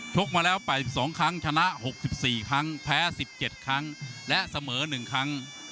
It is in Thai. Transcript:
กมาแล้ว๘๒ครั้งชนะ๖๔ครั้งแพ้๑๗ครั้งและเสมอ๑ครั้ง